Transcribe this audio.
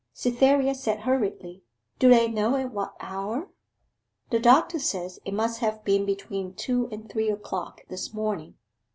Cytherea said hurriedly, 'Do they know at what hour?' 'The doctor says it must have been between two and three o'clock this morning.